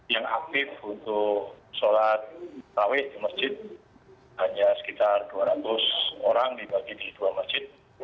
yang aktif untuk sholat tarawih di masjid hanya sekitar dua ratus orang dibagi di dua masjid